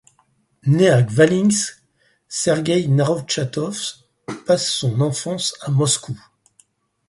Né à Khvalynsk, Sergueï Narovtchatov passe son enfance à Moscou.